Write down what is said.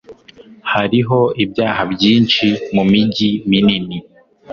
Hariho ibyaha byinshi mumijyi minini.